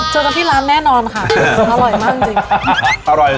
จนทั้งที่ร้านแหละนอนค่ะอร่อยมากจริงซะ